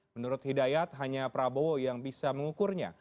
menurut hidayat hanya prabowo yang bisa mengukurnya